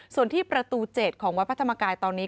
ส่วนที่ประตู๗ของวัดพระธรรมกายตอนนี้